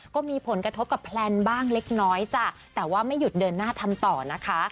ก็มีผลกระทบกับแพลนบ้างเล็กน้อยจ้ะแต่ว่าไม่หยุดเดินหน้าทำต่อนะคะ